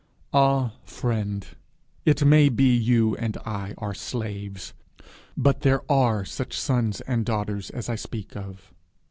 Ah, friend, it may be you and I are slaves, but there are such sons and daughters as I speak of.